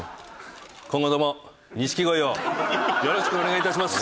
今後とも錦鯉をよろしくお願いいたします。